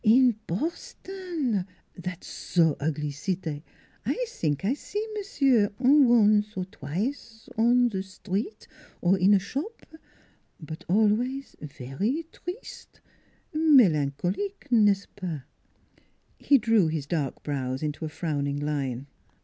" In Boston that so ogly cite I sink I see m'sieu' once, twice on street, or in shop. But always vary triste melancolique, n'est ce pas? " He drew his dark brows into a frowning line.